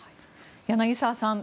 柳澤さん